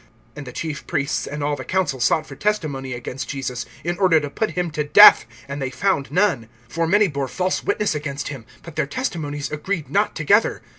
(55)And the chief priests and all the council sought for testimony against Jesus, in order to put him to death; and they found none. (56)For many bore false witness against him; but their testimonies agreed not together.